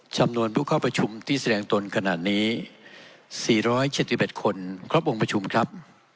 จำนวนผู้เข้าประชุมที่แสดงตนขนาดนี้๔๗๑คนครบวงประชุมครับ